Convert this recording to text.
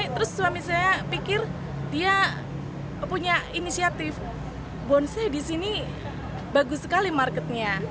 terus suami saya pikir dia punya inisiatif bonsai di sini bagus sekali marketnya